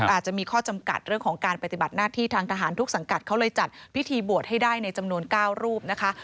อาจจะมีข้อจำกัดเรื่องของการปฏิบัติหน้าที่ทางทหารทุกสังกัดเขาเลยจัดพิธีบวชให้ได้ในจำนวน๙รูปนะคะ